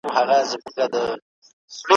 ده د امن احساس پياوړی کړ.